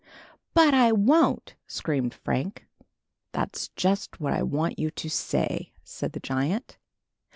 "But I won't go!" screamed Frank "That's just what I want you to say," said the giant.